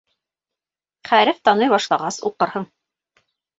Хәреф таный башлағас, уҡырһың.